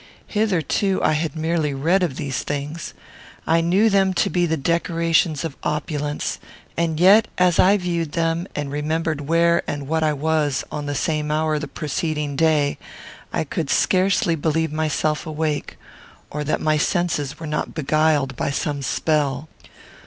Hitherto I had merely read of these things. I knew them to be the decorations of opulence; and yet, as I viewed them, and remembered where and what I was on the same hour the preceding day, I could scarcely believe myself awake, or that my senses were not beguiled by some spell.